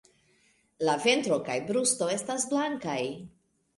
La ventro kaj brusto estas blankaj.